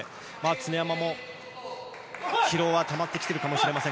常山も疲労はたまってきているかもしれません。